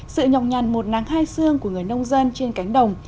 sự nhọc nhằn một nắng hai xương của người nông dân trên cánh đồng